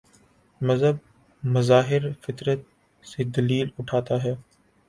مذہب مظاہر فطرت سے دلیل اٹھاتا ہے۔